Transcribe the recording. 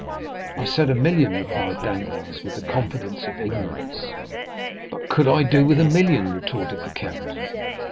"I said a million," replied Danglars, with the confidence of ignorance. "But could I do with a million?" retorted the count.